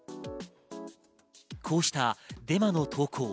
こうしたデマの投稿。